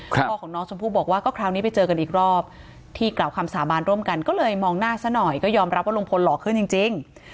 พ่อของน้องชมพู่บอกว่าก็คราวนี้ไปเจอกันอีกรอบที่กล่าวคำสาบานร่วมกันก็เลยมองหน้าซะหน่อยก็ยอมรับว่าลุงพลหล่อขึ้นจริง